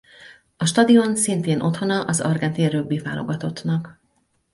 A stadion szintén otthona az argentin rögbi-válogatott-nak.